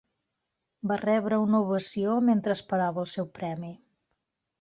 Va rebre una ovació mentre esperava el seu premi.